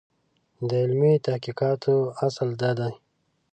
د علمي تحقیقاتو اصل دا دی.